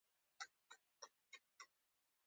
حبیبه ورا دې ټوله مناپیکه ده.